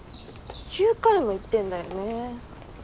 ９回も行ってんだよね。